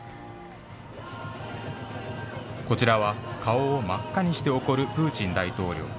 こちらは顔を真っ赤にして怒るプーチン大統領。